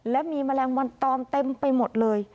และมีแมลงวันตอมเต็มไปหมดเลย